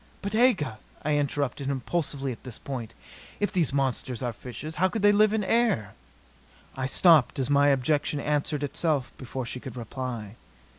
"But Aga," I interrupted impulsively at this point. "If these monsters are fishes, how could they live here in air " I stopped as my objection answered itself before she could reply.